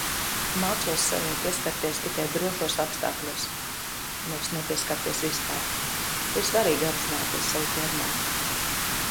Mācos sejai pieskarties tikai drošos apstākļos, nevis nepieskarties vispār. Ir svarīgi apzināties savu ķermeni.